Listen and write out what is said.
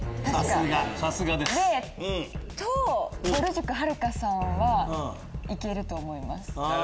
さすが！とぼる塾・はるかさんは行けると思います。